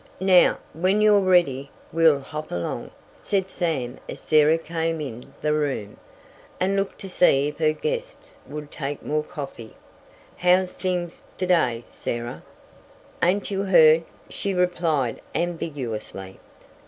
"Now, when you're ready, we'll hop along," said Sam as Sarah came in the room, and looked to see if her guests would take more coffee. "How's things to day, Sarah?" "Ain't you heard?" she replied ambiguously.